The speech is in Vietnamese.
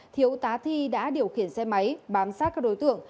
thiếu tá thi đã điều khiển xe máy bám sát các đối tượng